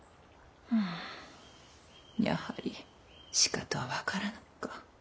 やはりしかとは分からぬか。